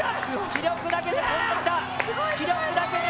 気力だけで漕いできた。